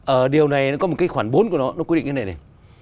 ở điều này nó có một cái khoản bốn của nó nó quy định như thế này